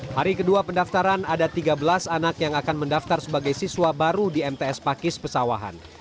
hari kedua pendaftaran ada tiga belas anak yang akan mendaftar sebagai siswa baru di mts pakis pesawahan